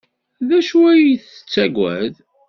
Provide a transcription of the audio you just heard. D acu ay tettaggad?